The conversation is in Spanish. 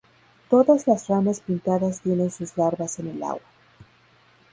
Todas las ranas pintadas tienen sus larvas en el agua.